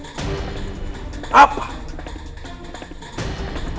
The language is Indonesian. aku tidak akan